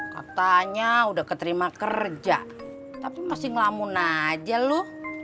katanya udah keterima kerja tapi masih ngelamun aja loh